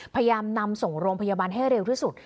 พยายามนำส่งโรงพยาบาลให้เร็วที่สุด